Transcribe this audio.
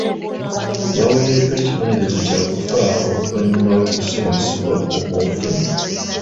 Yaweereddwa ekibonerezo kya kufa oluvannyuma lw'okusingisibwa ogw'obutemu.